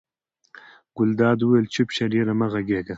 ګلداد وویل چپ شه ډېره مه غږېږه.